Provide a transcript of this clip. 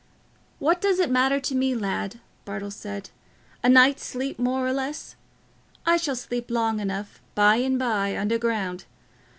"What does it matter to me, lad?" Bartle said: "a night's sleep more or less? I shall sleep long enough, by and by, underground.